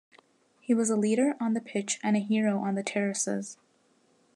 He was a leader on the pitch and a hero on the terraces.